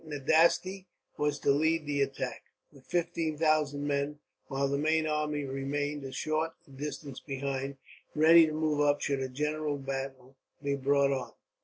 Nadasti was to lead the attack, with fifteen thousand men; while the main army remained, a short distance behind, ready to move up should a general battle be brought on.